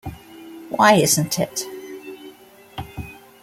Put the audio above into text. Why isn't it?